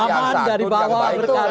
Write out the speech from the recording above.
yang santun yang baik